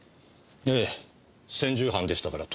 ええ専従班でしたから当然。